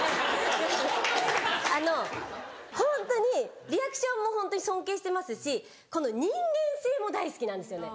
あのホントにリアクションもホントに尊敬してますし人間性も大好きなんですよね